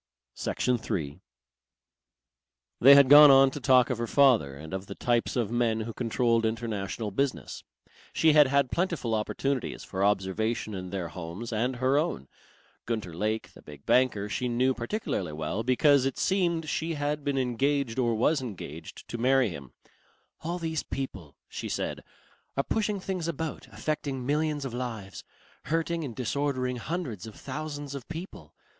Section 3 They had gone on to talk of her father and of the types of men who controlled international business. She had had plentiful opportunities for observation in their homes and her own. Gunter Lake, the big banker, she knew particularly well, because, it seemed, she had been engaged or was engaged to marry him. "All these people," she said, "are pushing things about, affecting millions of lives, hurting and disordering hundreds of thousands of people.